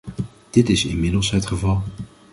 Dit is inmiddels het geval.